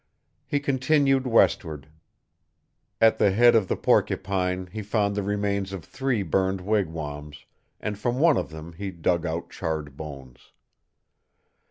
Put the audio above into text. He continued westward. At the head of the Porcupine he found the remains of three burned wigwams, and from one of them he dug out charred bones.